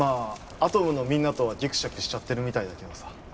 アトムのみんなとはギクシャクしちゃってるみたいだけどさ